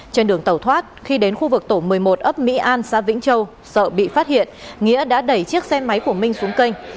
trên đường tàu thoát khi đến khu vực tổ một mươi một ấp mỹ an xã vĩnh châu sợ bị phát hiện nghĩa đã đẩy chiếc xe máy của minh xuống kênh